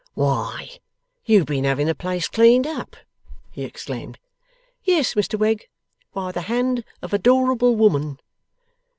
'Why, you've been having the place cleaned up!' he exclaimed. 'Yes, Mr Wegg. By the hand of adorable woman.